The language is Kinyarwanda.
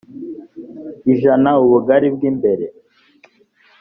ijana ubugari bw imbere